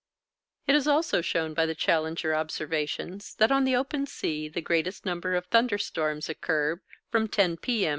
It is also shown by the Challenger observations that on the open sea the greatest number of thunder storms occur from 10 P.M.